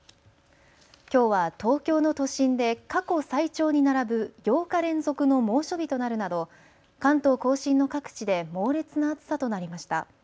きょうは東京の都心で過去最長に並ぶ８日連続の猛暑日となるなど関東甲信の各地で猛烈な暑さとなりました。